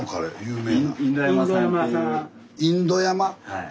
はい。